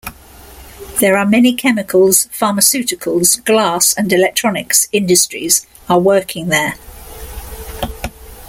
There are many chemicals, Pharmaceuticals, Glass and Electronics industries are working there.